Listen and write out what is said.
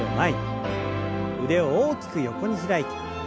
腕を大きく横に開いて。